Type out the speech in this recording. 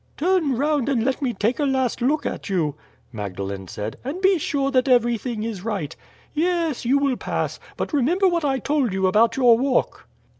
"Turn round and let me take a last look at you," Magdalene said, "and be sure that everything is right. Yes, you will pass; but remember what I told you about your walk."